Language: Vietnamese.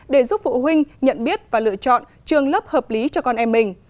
để giúp phụ huynh nhận biết và lựa chọn trường lớp hợp lý cho con em mình